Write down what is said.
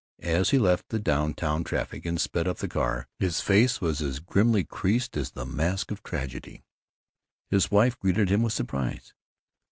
As he left the down town traffic and sped up the car, his face was as grimly creased as the mask of tragedy. His wife greeted him with surprise.